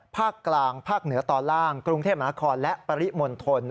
ภาคกลางภาคเหนือตอนล่างกรุงเทพมหานครและปริมณฑล